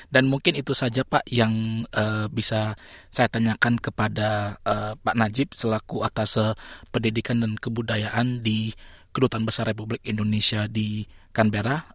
dan mungkin itu saja pak yang bisa saya tanyakan kepada pak najib selaku atas pendidikan dan kebudayaan di kedutan besar republik indonesia di kambera